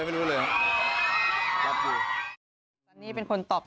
ผมไม่รู้อะไรเลย